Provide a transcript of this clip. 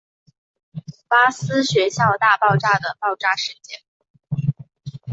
巴斯学校大爆炸的爆炸事件。